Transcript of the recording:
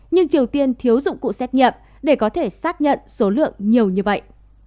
nhưng triều tiên thiếu dụng cụ xét nghiệm để có thể xác nhận số lượng nhiều như vậy